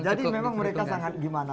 jadi memang mereka sangat gimana